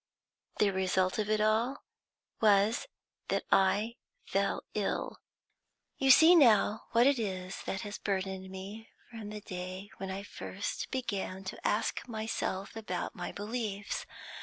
The result of it all was that I fell ill. "You see now what it is that has burdened me from the day when I first began to ask myself about my beliefs.